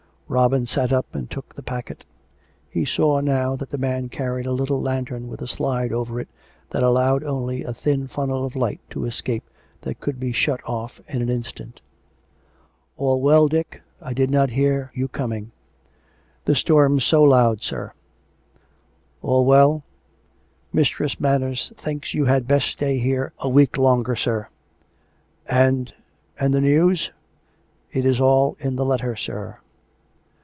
Robin sat up and took the packet. He saw now that the man carried a little lantern with a slide over it that allowed only a thin funnel of light to escape that could be shut off in an instant. "All well, Dick.'' I did not hear you coming." " The storm's too loud, sir." "All well?" " Mistress Manners thinks you had best stay here a week longer, sir." " And ... and the news ?"" It is all in the letter, sir."